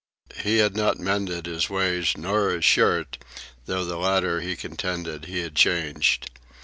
He had not mended his ways nor his shirt, though the latter he contended he had changed.